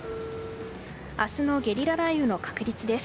明日のゲリラ雷雨の確率です。